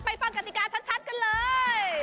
ฟังกติกาชัดกันเลย